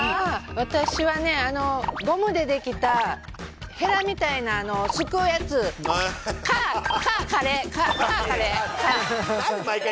私はね、ゴムで出来たへらみたいなすくうやつ、か、カレー。か、カレー。